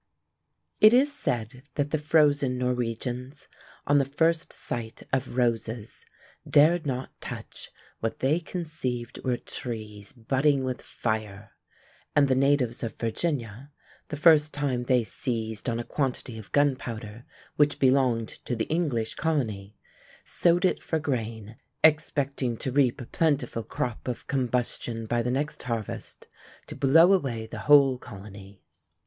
It is said that the frozen Norwegians, on the first sight of roses, dared not touch what they conceived were trees budding with fire: and the natives of Virginia, the first time they seized on a quantity of gunpowder, which belonged to the English colony, sowed it for grain, expecting to reap a plentiful crop of combustion by the next harvest, to blow away the whole colony.